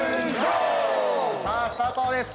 さあスタートです。